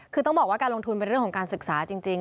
คือต้องบอกว่าการลงทุนเป็นเรื่องของการศึกษาจริง